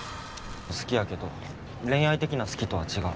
好きやけど恋愛的な好きとは違う。